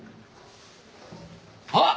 あっ！